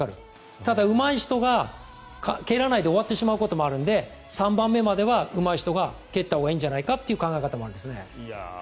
ただ、うまい人が蹴らないで終わってしまうこともあるので３番目まではうまい人が蹴ったほうがいいんじゃないかという考え方もあるんです。